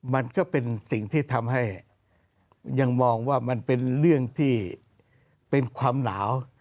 มันก็เป็นสิ่งที่ทำให้ยังมองว่ามันเป็นเรื่องที่เป็นความหนาว